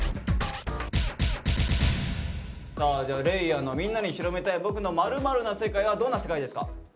嶺亜の「みんなに広めたい僕の○○な世界」はどんな世界ですか？